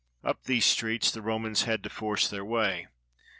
Up these streets the Romans had to force their way.